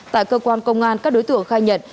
tại cơ quan công an các đối tượng khai nhận